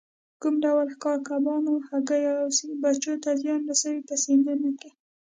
کوم ډول ښکار کبانو، هګیو او بچیو ته زیان رسوي په سیندونو کې.